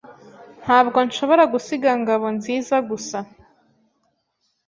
Ntabwo nshobora gusiga Ngabonziza gusa.